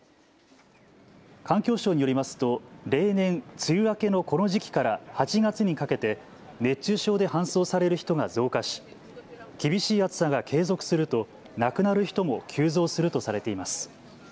環境省によりますと例年、梅雨明けのこの時期から８月にかけて熱中症で搬送される人が増加し厳しい暑さが継続すると亡くなる人も急増するとされています。